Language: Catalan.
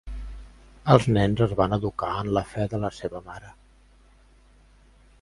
Els nens es van educar en la fe de la seva mare.